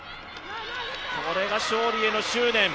これが勝利への執念。